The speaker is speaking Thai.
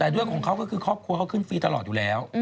แต่ด้วยของเขาก็คือครอบครัวเขาขึ้นฟรีตลอดอยู่แล้ว